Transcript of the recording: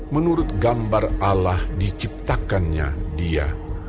menurut gambar allah diciptakannya dia